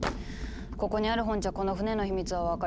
ここにある本じゃこの船の秘密は分かりそうにないわね。